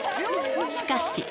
しかし。